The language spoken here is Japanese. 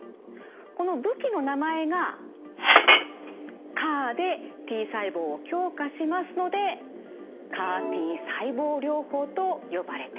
この武器の名前が「ＣＡＲ」でＴ細胞を強化しますのでＣＡＲ−Ｔ細胞療法と呼ばれています。